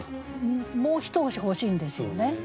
もう一押し欲しいんですよね。